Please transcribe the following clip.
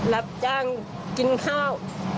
รับจ้างกินข้าว